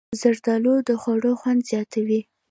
زردالو د خوړو خوند زیاتوي.